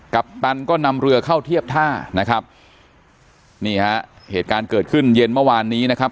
ปัปตันก็นำเรือเข้าเทียบท่านะครับนี่ฮะเหตุการณ์เกิดขึ้นเย็นเมื่อวานนี้นะครับ